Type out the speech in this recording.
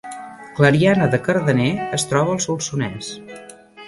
Clariana de Cardener es troba al Solsonès